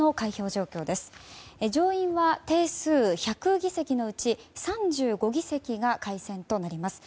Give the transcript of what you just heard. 上院は定数１００議席のうち３５議席が改選となります。